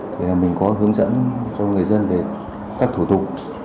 thì là mình có hướng dẫn cho người dân về các thủ tục